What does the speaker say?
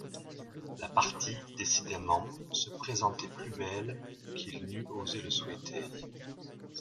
La partie, décidément, se présentait plus belle qu'il n'eût osé le souhaiter.